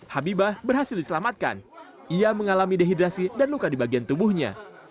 habibah berhasil diselamatkan ia mengalami dehidrasi dan luka di bagian tubuhnya